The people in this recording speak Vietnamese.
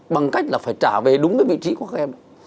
bằng cách là phải trả về đúng cái vị trí của các em